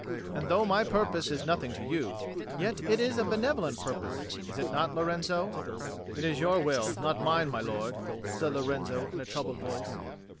"And though my purpose is nothing to you, yet it is a benevolent purpose. Is it not, Lorenzo?" "It is your will, not mine, my lord," said Lorenzo in a troubled voice.